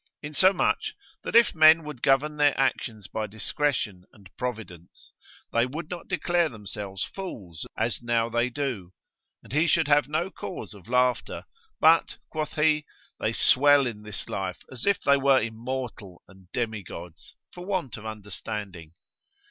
Insomuch, that if men would govern their actions by discretion and providence, they would not declare themselves fools as now they do, and he should have no cause of laughter; but (quoth he) they swell in this life as if they were immortal, and demigods, for want of understanding.